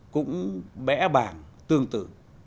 cũng bẽ bảng tương tự